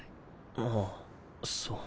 あっそう。